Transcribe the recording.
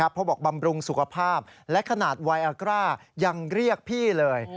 เพราะบอกบำรุงสุขภาพและขนาดไวอากร่ายังเรียกพี่เลย